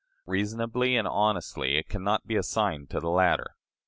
Reasonably and honestly it can not be assigned to the latter.